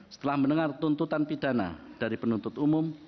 setelah mendengar tuntutan pidana dari penuntut umum